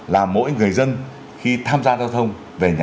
là mỗi người dân khi tham gia giao thông về nhà